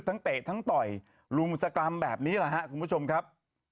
ทั้งเตะทั้งต่อยรูมสกรรมแบบนี้เหรอฮะคุณผู้ชมครับ